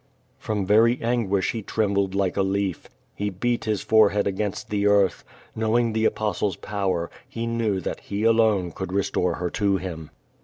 From very anguish he trembled like a leaf. He beat his forehead against the earth. Knowing the Apostle's power, he knew that he alone could restore her to him.